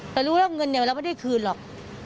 เรารู้เรื่องเงินเนี่ยเราไม่ได้คืนหรอก